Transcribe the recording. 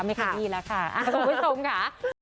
ไม่ค่อยดีละค่ะคุณผู้ชมค่ะ